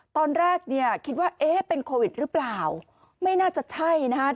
ตอนแรกเนี่ยคิดว่าเอ๊ะเป็นโควิดหรือเปล่าไม่น่าจะใช่นะฮะ